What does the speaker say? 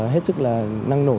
hết sức là năng nổ